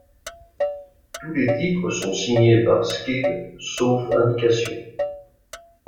Tous les titres sont signés par Skid sauf indication.